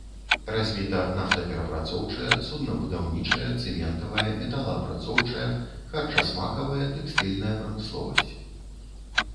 Развіта нафтаперапрацоўчая, суднабудаўнічая, цэментавая, металаапрацоўчая, харчасмакавая, тэкстыльная прамысловасць.